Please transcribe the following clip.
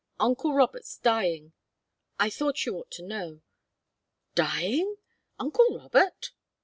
Uncle Robert's dying. I thought you ought to know " "Dying? Uncle Robert?"